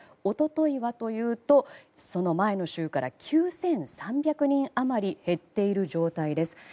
一昨日はというとその前の週から９３００人余り減っている状態です。